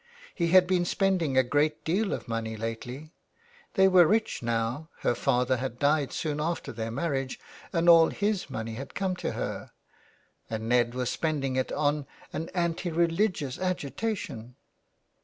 He had been spending a great deal of money lately — they were rich now ; her father had died soon after their marriage and all his money had come to her, and Ned was spending it on an anti religious agitation.